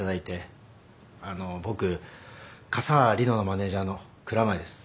あの僕笠原梨乃のマネジャーの蔵前です。